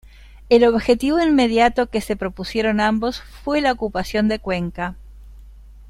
El objetivo inmediato que se propusieron ambos fue la ocupación de Cuenca.